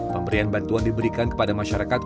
pemberian bantuan diberikan kepada masyarakat